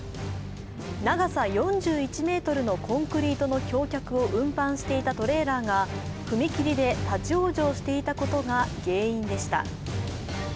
長さ４１ｍのコンクリートの橋脚を運搬していたトレーラーが踏切で立往生していたことが原因でした。